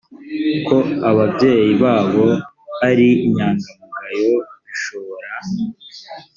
ko ababyeyi babo ari inyangamugayo bishobora